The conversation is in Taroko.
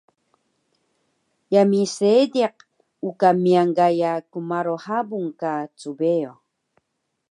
Yami Seediq uka miyan gaya kmaro habung ka cbeyo